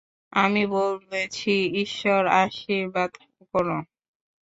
আমি বলেছি, ঈশ্বর আশীর্বাদ কোরো।